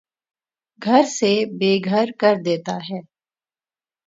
گھر سے بے گھر کر دیتا ہے